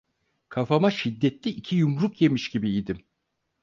Kafama şiddetli iki yumruk yemiş gibi idim.